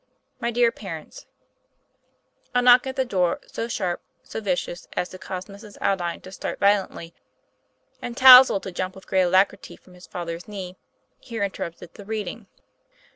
MY DEAR PARENTS: A knock at the door, so sharp, so vicious, as to cause Mrs. Aldine to start violently, and Touzle to jump with great alacrity from his father's knee, here interrupted the reading.